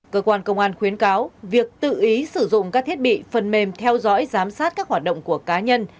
cơ quan công an khuyến cáo việc tự ý sử dụng các thiết bị phần mềm theo dõi giám sát các hoạt động của cá nhân